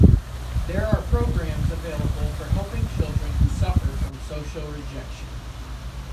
There are programs available for helping children who suffer from social rejection.